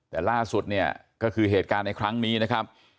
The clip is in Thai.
แต่ล่าสุดเนี่ยก็คือเหตุการณ์ในครั้งนี้นะครับ